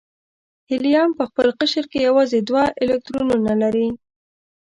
هیلیم په خپل قشر کې یوازې دوه الکترونونه لري.